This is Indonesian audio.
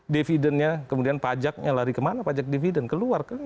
dividennya kemudian pajaknya lari kemana pajak dividen keluar kan